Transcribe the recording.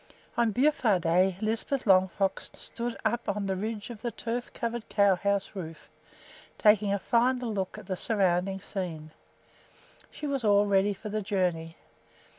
On Bufar day Lisbeth Longfrock stood up on the ridge of the turf covered cow house roof, taking a final look at the surrounding scene. She was all ready for the journey.